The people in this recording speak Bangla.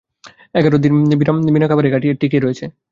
এগারো দিন বিনা খাবারেই টিকে রয়েছে।